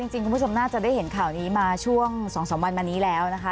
คุณผู้ชมน่าจะได้เห็นข่าวนี้มาช่วง๒๓วันมานี้แล้วนะคะ